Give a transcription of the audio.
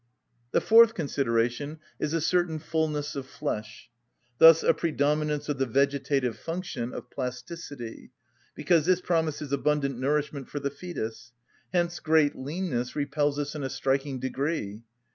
The fourth consideration is a certain fulness of flesh; thus a predominance of the vegetative function, of plasticity; because this promises abundant nourishment for the fœtus; hence great leanness repels us in a striking degree.